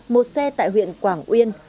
một xe tại huyện quảng uyên